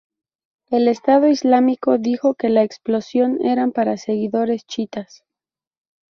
El Estado Islámico dijo que la explosión eran para seguidores chiítas.